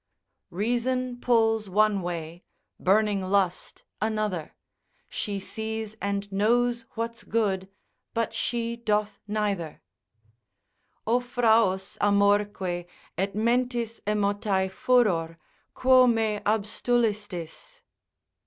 ——— Reason pulls one way, burning lust another, She sees and knows what's good, but she doth neither, O fraus, amorque, et mentis emotae furor, quo me abstulistis?